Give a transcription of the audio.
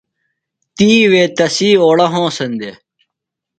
تی وے تسی اوڑہ ہونسن دےۡ۔